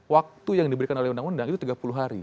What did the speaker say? waktu yang diberikan oleh undang undang itu tiga puluh hari